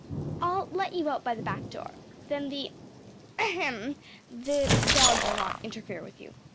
“I’ll let you out by the back door. Then the ahem! the dog will not interfere with you.